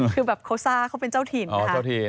คือแบบโคซ่าเขาเป็นเจ้าถิ่น